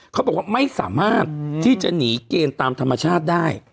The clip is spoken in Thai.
เขาบอกว่าไม่สามารถที่จะหนีเกณฑ์ตามธรรมชาติได้